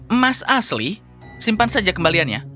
emas asli simpan saja kembaliannya